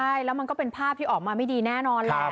ใช่แล้วมันก็เป็นภาพที่ออกมาไม่ดีแน่นอนแหละ